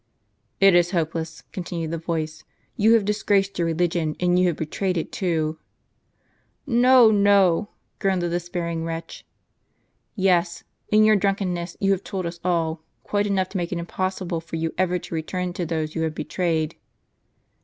"It is hopeless," continued the voice; "you have dis graced your religion, and you have betrayed it too." " No, no," groaned the despairing wretch. "Yes; in your drunkenness you have told us all: quite enough to make it impossible for you ever to return to those you have betrayed."